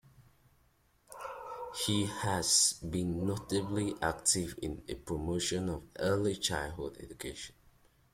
He has been notably active in the promotion of early childhood education.